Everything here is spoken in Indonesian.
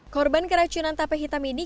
korban keracunan tape hitam ini